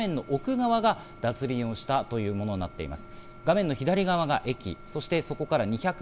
画面の奥側が脱輪をしたということになっています。